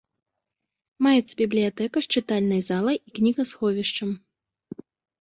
Маецца бібліятэка з чытальнай залай і кнігасховішчам.